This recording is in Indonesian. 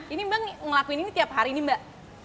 ini mbak ngelakuin ini tiap hari nih mbak